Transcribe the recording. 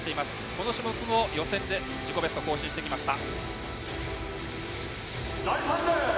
この種目も予選で自己ベストを更新してきました。